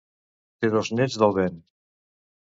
Té dos nets del Ben.